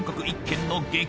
１軒の激